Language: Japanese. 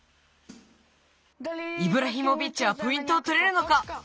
イブラヒモビッチはポイントをとれるのか？